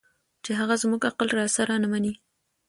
چې هغه زموږ عقل راسره نه مني